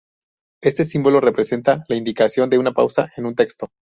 Este símbolo representa la indicación de una pausa en un texto.